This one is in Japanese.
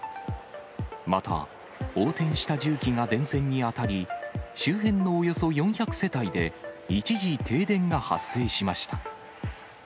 また、横転した重機が電線に当たり、周辺のおよそ４００世帯で一時停電が発生しました。